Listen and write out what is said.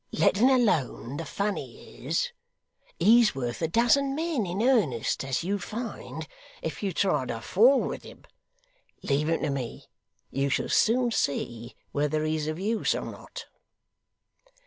Letting alone the fun he is, he's worth a dozen men, in earnest, as you'd find if you tried a fall with him. Leave him to me. You shall soon see whether he's of use or not.